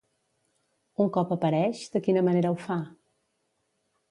Un cop apareix, de quina manera ho fa?